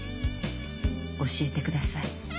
教えてください。